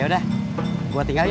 yaudah gue tinggal ya